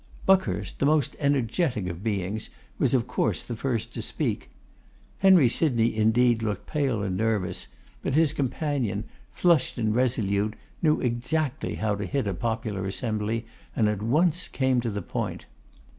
Buckhurst, the most energetic of beings, was of course the first to speak. Henry Sydney indeed looked pale and nervous; but his companion, flushed and resolute, knew exactly how to hit a popular assembly, and at once came to the point.